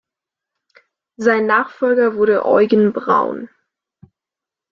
Sein Nachfolger wurde Eugen Braun.